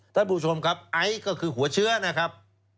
ท่านผู้ชมครับไอซ์ก็คือหัวเชื้อนะครับ